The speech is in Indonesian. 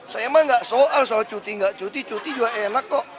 saya emang nggak soal soal cuti nggak cuti cuti juga enak kok